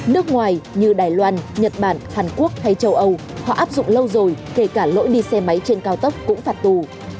nước ngoài như đài loan nhật bản hàn quốc hay châu âu họ áp dụng lâu rồi kể cả lỗi đi xe máy trên cao tốc cũng phạt tù